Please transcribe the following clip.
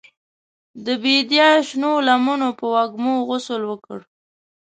د بیدیا شنو لمنو په وږمو غسل وکړ